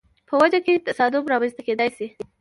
په وجه یې تصادم رامنځته کېدای شي.